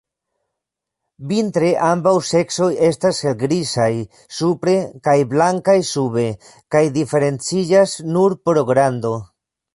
Vintre ambaŭ seksoj estas helgrizaj supre kaj blankaj sube kaj diferenciĝas nur pro grando.